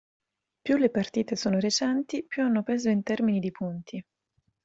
Più le partite sono recenti, più hanno peso in termini di punti